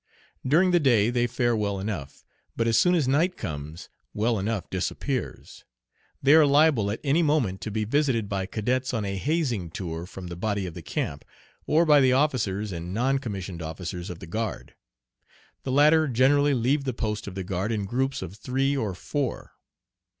During the day they fare well enough, but as soon as night comes "well enough" disappears. They are liable at any moment to be visited by cadets on a hazing tour from the body of the camp, or by the officers and non commissioned officers of the guard. The latter generally leave the post of the guard in groups of three or four.